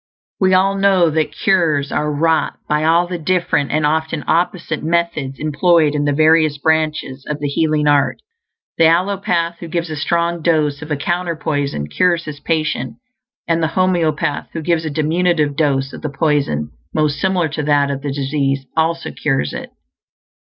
We all know that cures are wrought by all the different, and often opposite, methods employed in the various branches of the healing art. The allopath, who gives a strong dose of a counter poison, cures his patient; and the homeopath, who gives a diminutive dose of the poison most similar to that of the disease, also cures it.